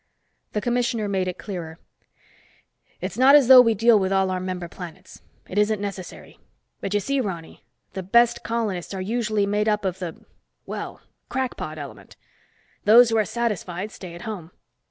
The commissioner made it clearer. "It's not as though we deal with all our member planets. It isn't necessary. But you see, Ronny, the best colonists are usually made up of the, well, crackpot element. Those who are satisfied, stay at home.